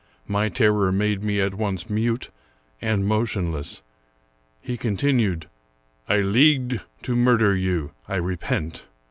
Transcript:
My terror made me at once mute and motionless. He continued, " I leagued to murder you. I repent.